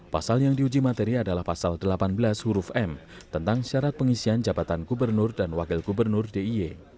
pasal yang diuji materi adalah pasal delapan belas huruf m tentang syarat pengisian jabatan gubernur dan wakil gubernur d i e